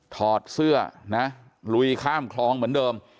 ถอดเสื้อนะลุยข้ามคลองเหมือนเดิม